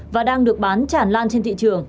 và đang được bán chản lan trên thị trường